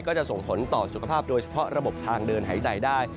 จะส่งผลต่อสุขภาพโดยเฉพาะระบบทางเดินหายใจได้